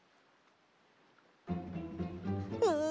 うん。